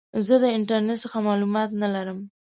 زه د انټرنیټ څخه معلومات نه لرم.